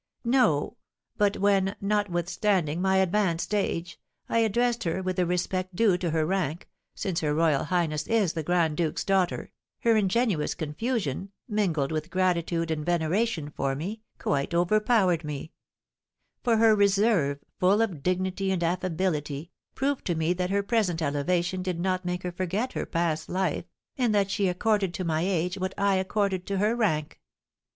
"No; but when, notwithstanding my advanced age, I addressed her with the respect due to her rank, since her royal highness is the grand duke's daughter, her ingenuous confusion, mingled with gratitude and veneration for me, quite overpowered me; for her reserve, full of dignity and affability, proved to me that her present elevation did not make her forget her past life, and that she accorded to my age what I accorded to her rank."